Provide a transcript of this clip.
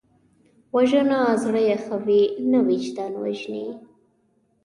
وژنه زړه یخوي نه، وجدان وژني